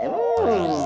hebat juga remote nya